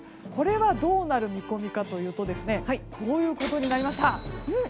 これはどうなる見込みかというとこういうことになりました。